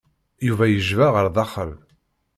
Yuba yejba ɣer daxel.